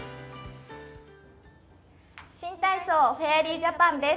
新体操フェアリージャパンです。